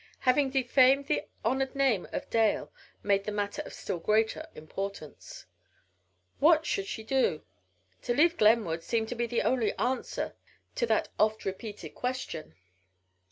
Having defamed the honored name of Dale made the matter of still greater importance. What should she do? To leave Glenwood seemed to be the only answer to that oft repeated question.